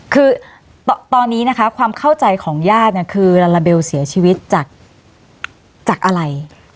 คือตอนนี้นะคะความเข้าใจของญาติเนี่ยคือลาลาเบลเสียชีวิตจากอะไร